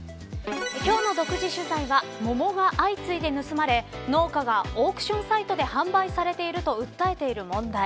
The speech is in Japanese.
今日の独自取材は桃が相次いで盗まれ、農家がオークションサイトで販売されていると訴えている問題。